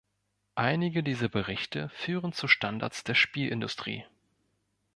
Einige dieser Berichte führen zu Standards der Spielindustrie.